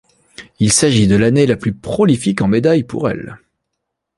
Il s'agit de l'année la plus prolifique en médailles pour elle.